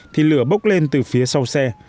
thì lửa bốc lên từ phía sau xe